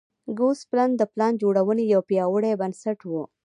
ګوسپلن د پلان جوړونې یو پیاوړی بنسټ و.